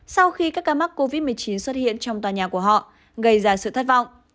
sau khi các ca mắc covid một mươi chín xuất hiện trong tòa nhà của họ gây ra sự thất vọng